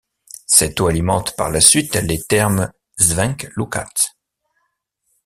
Cette eau alimente par la suite les thermes Szent Lukács.